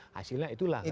hasilnya itulah kan